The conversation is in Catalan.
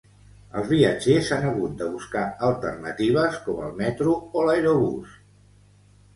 Els viatgers han hagut de buscar alternatives, com el metro o l'Aerobús.